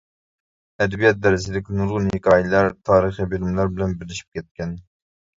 ئەدەبىيات دەرسىدىكى نۇرغۇن ھېكايىلەر تارىخىي بىلىملەر بىلەن بىرلىشىپ كەتكەن.